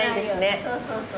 そうそうそう。